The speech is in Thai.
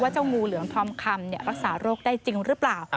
เจ้างูเหลือมทองคำรักษาโรคได้จริงหรือเปล่า